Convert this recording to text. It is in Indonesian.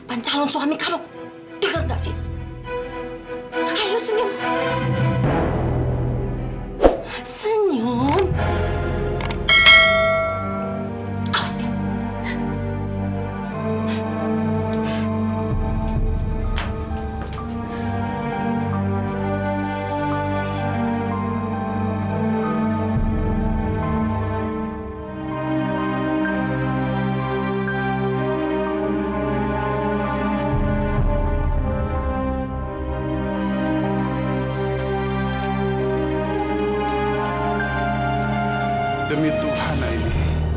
aini jangan tinggal di situ aini